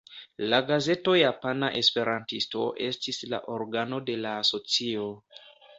La gazeto Japana Esperantisto estis la organo de la asocio.